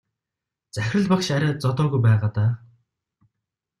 Захирал багш арай зодоогүй байгаа даа.